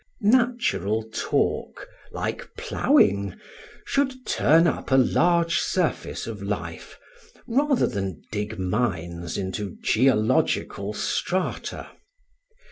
Natural talk, like ploughing, should turn up a large surface of life, rather than dig mines into geological strata.